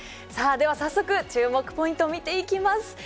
さあでは早速注目ポイント見ていきます。